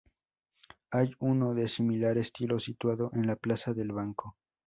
Hay uno de similar estilo situado en la Plaza del Banco.